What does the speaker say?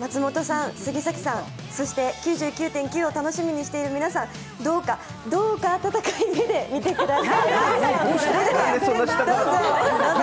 松本さん、杉咲さん、そして「９９．９」を楽しみにしている皆さん、どうか、どうか温かい目で見てください。